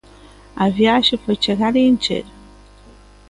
A viaxe foi chegar e encher.